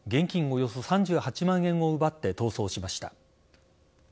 およそ３８万円を奪って逃走しました。